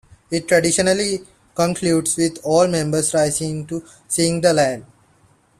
It traditionally concludes with all members rising to sing The Land.